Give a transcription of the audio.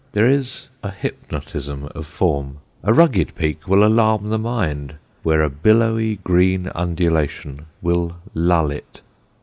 There is a hypnotism of form: a rugged peak will alarm the mind where a billowy green undulation will lull it.